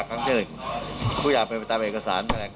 เลิศ